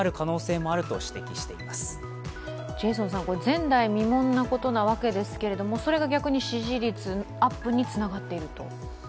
前代未聞なわけですがそれが逆に支持率アップにつながっていると？